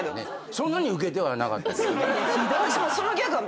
そんなにウケてはなかった。